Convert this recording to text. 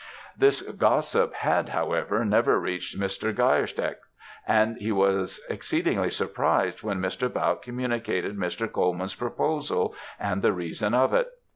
"This gossip had, however, never reached Mr. Geierstecks, and he was exceedingly surprised when Mr. Bautte communicated Mr. Colman's proposal, and the reason of it.